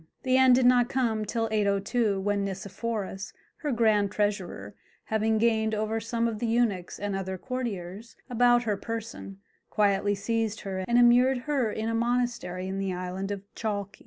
The end did not come till 802, when Nicephorus, her grand treasurer, having gained over some of the eunuchs and other courtiers about her person, quietly seized her and immured her in a monastery in the island of Chalke.